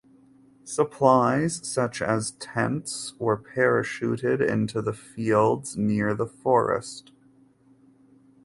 Supplies such as tents were parachuted into the fields near the forest.